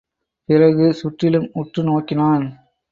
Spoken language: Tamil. பிறகு சுற்றிலும் உற்று நோக்கினான்.